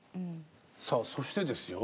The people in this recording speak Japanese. さあそしてですよ